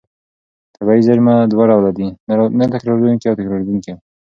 طبیعي زېرمې دوه ډوله دي: نه تکرارېدونکې او تکرارېدونکې.